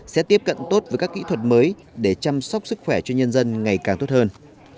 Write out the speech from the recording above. sẽ tiếp cận tốt với các kỹ thuật mới để chăm sóc sức khỏe cho nhân dân ngày càng tốt hơn